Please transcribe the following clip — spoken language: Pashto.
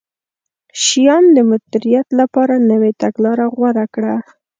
شیام د مدیریت لپاره نوې تګلاره غوره کړه.